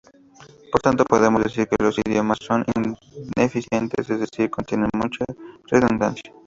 Por tanto podemos decir que los idiomas son 'ineficientes', es decir, contienen mucha redundancia.